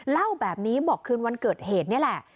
เล่าแบบนี้บอกคืนวันเกิดเหตุนี่แหละ